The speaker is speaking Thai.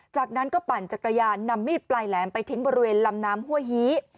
จากนั้นก็ปั่นจักรยานนำมีดปลายแหลมไปทิ้งบริเวณลำน้ำห้วยฮี